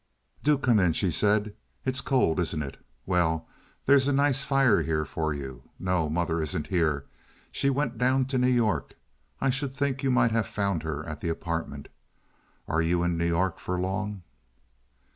"Do come in," she said. "It's cold, isn't it? Well, there's a nice fire here for you. No, mother isn't here. She went down to New York. I should think you might have found her at the apartment. Are you in New York for long?"